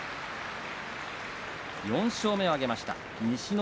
４勝目を挙げました。